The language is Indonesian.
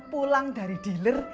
pulang dari dealer